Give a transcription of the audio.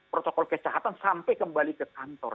protokol kesehatan sampai kembali ke kantor